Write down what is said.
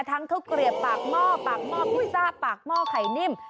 ข้าวเกลียบปากหม้อปากหม้อพิซซ่าปากหม้อไข่นิ่ม